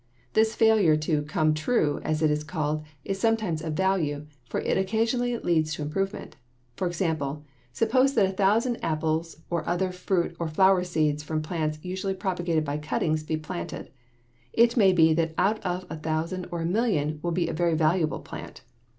This failure to "come true," as it is called, is sometimes of value, for it occasionally leads to improvement. For example, suppose that a thousand apple or other fruit or flower seeds from plants usually propagated by cuttings be planted; it may be that one out of a thousand or a million will be a very valuable plant.